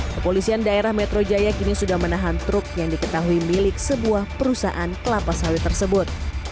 kepolisian daerah metro jaya kini sudah menahan truk yang diketahui milik sebuah perusahaan kelapa sawit tersebut